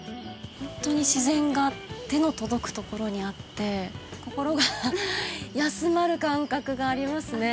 ホントに自然が手の届くところにあって心が休まる感覚がありますね